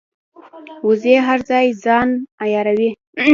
وزې هر ځای ځان عیاروي